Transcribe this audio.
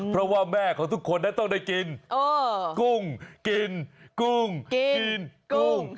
เพราะว่าแม่ของทุกคนนั้นต้องได้กินกุ้งกินกุ้งกินกุ้ง